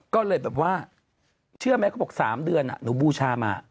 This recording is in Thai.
ก็เลยแบบว่าเชื่อไหมเขาบอก๓เดือนหนูบูชามา